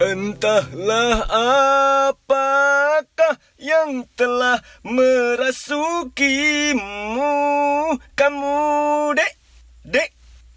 entahlah apakah yang telah merasukimu kamu dek dek